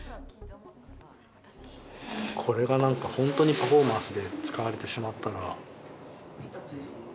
これがなんか、本当にパフォーマンスで使われてしまったら。